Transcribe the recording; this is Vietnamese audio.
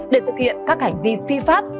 để thực hiện các hành vi phi pháp